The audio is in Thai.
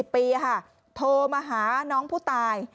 ปีโทรมาหาน้องผู้ตาย